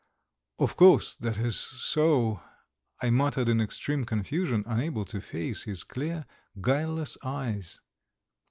"Of course that is so ..." I muttered in extreme confusion, unable to face his clear, guileless eyes.